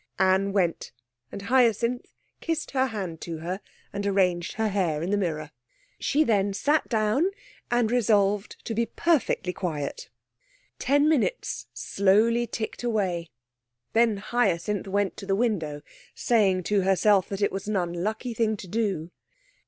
Anne went, and Hyacinth kissed her hand to her and arranged her hair in the mirror. She then sat down and resolved to be perfectly quiet. Ten minutes slowly ticked away, then Hyacinth went to the window, saying to herself that it was an unlucky thing to do.